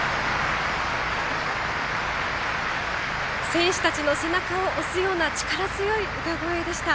選手たちの背中を押すような、力強い歌声でした。